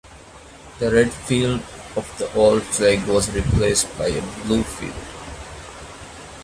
The red field of the old flag was replaced by a blue field.